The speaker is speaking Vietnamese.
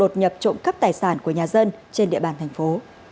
các vụ đột nhập đã gây ra hàng loạt trộm cắp tài sản của nhà dân trên địa bàn thành phố